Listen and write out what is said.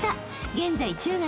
現在中学